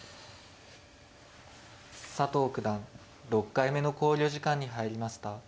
佐藤九段６回目の考慮時間に入りました。